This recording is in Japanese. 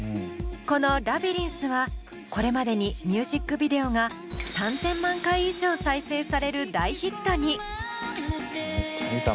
この「ラビリンス」はこれまでにミュージックビデオが３０００万回以上再生される大ヒットに。